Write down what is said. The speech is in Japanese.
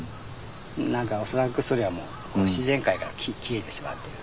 何か恐らくそれはもう自然界から消えてしまっている。